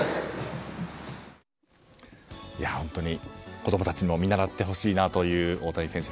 子供たちにも見習ってほしいなという大谷選手